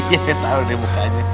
iya saya tahu deh mukanya